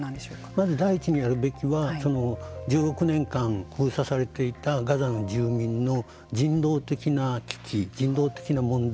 まず第１にやるべきは１６年間封鎖されていたガザの住民の人道的な危機人道的な問題